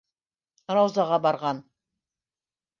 Раузаға барған.